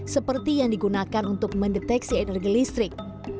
seperti yang digunakan untuk mendeteksi energi listrik